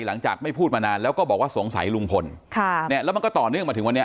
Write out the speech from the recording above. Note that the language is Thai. หลังจากไม่พูดมานานแล้วก็บอกว่าสงสัยลุงพลค่ะเนี่ยแล้วมันก็ต่อเนื่องมาถึงวันนี้